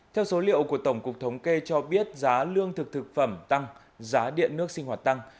theo số liệu của tổng cục thống kê cho biết giá lương thực thực phẩm tăng giá điện nước sinh hoạt tăng